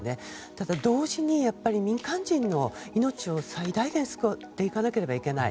ただ、同時に民間人の命を最大限救っていかなければいけない。